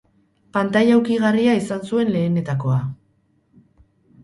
Pantaila ukigarria izan zuen lehenetakoa.